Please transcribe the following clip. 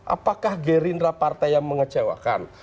apakah gerindra partai yang mengecewakan